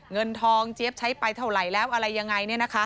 เงินทองเจี๊ยบใช้ไปเท่าไหร่แล้วอะไรยังไง